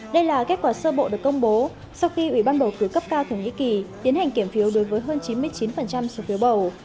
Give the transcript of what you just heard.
đây là kết quả sơ bộ được công bố sau khi ủy ban bầu cử cấp cao thổ nhĩ kỳ tiến hành kiểm phiếu đối với hơn chín mươi chín số phiếu bầu